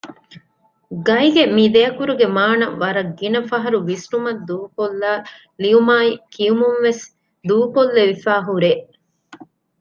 ގައި ގެ މި ދެއަކުރުގެ މާނަ ވަރަށް ގިނަ ފަހަރު ވިސްނުމަށް ދޫކޮށްލައި ލިޔުމާއި ކިޔުމުންވެސް ދޫކޮށްލެވިފައި ހުރޭ